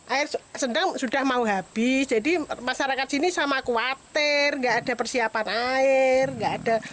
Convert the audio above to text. air sedang sudah mau habis jadi masyarakat sini sama khawatir nggak ada persiapan air nggak ada